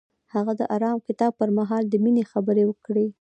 هغه د آرام کتاب پر مهال د مینې خبرې وکړې.